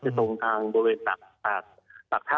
เจาะเพื่อระบายน้ำ